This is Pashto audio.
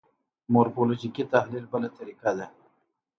مورفولوژیکي تحلیل بله طریقه ده.